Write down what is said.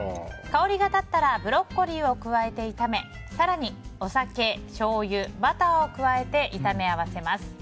香りが立ったらブロッコリーを加えて炒め更にお酒、しょうゆバターを加えて炒め合わせます。